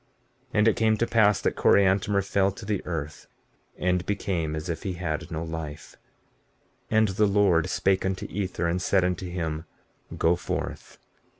15:32 And it came to pass that Coriantumr fell to the earth, and became as if he had no life. 15:33 And the Lord spake unto Ether, and said unto him: Go forth.